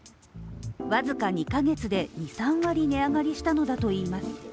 僅か２カ月で２３割値上がりしたのだといいます。